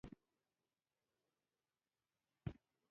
زه خپل وخت د ګټورو کارونو لپاره ساتم.